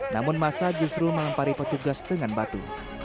namun masa justru melempari petugas dengan batu